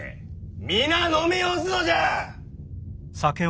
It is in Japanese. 皆飲み干すのじゃ！